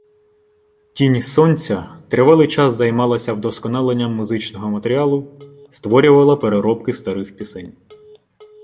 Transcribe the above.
«Тінь Сонця» тривалий час займалася вдосконаленням музичного матеріалу, створювала переробки старих пісень.